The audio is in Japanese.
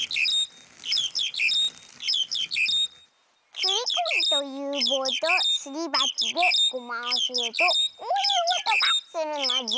すりこぎというぼうとすりばちでゴマをするとこういうおとがするのじゃ。